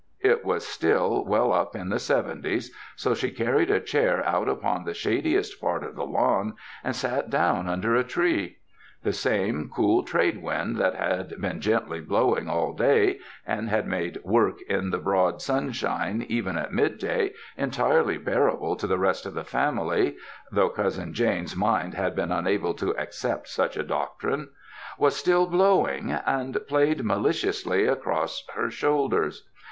It was still well up in the seventies, so she carried a chair out upon the shadiest part of the lawn and sat down under a tree. The same cool trade wind that had been gently blowing all day and had made work in the broad sunshine even at midday entirely bear able to the rest of the family (though Cousin Jane's mind had been unable to accept such a doctrine), was still blowing and played maliciously across her shoulders.